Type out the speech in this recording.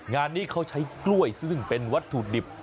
งานนี้เขาใช้กล้วยซึ่งเป็นวัตถุดิบ